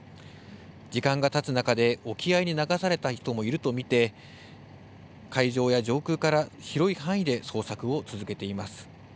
時間がたつ中で沖合に流された人もいると見て海上や上空から広い範囲で捜索を続けています。